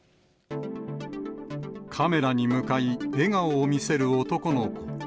カメラに向かい、笑顔を見せる男の子。